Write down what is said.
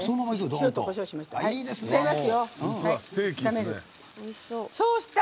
塩とこしょうしました。